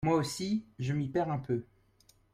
Moi aussi, je m’y perds un peu.